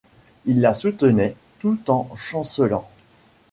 Il la soutenait tout en chancelant.